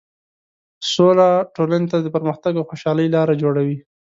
سوله ټولنې ته د پرمختګ او خوشحالۍ لاره جوړوي.